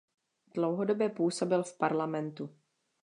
Dlouhodobě působil v parlamentu.